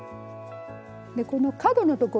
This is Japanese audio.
この角のところがね